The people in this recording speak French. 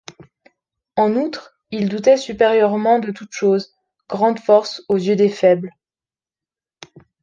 En outre, il doutait supérieurement de toute chose, grande force aux yeux des faibles.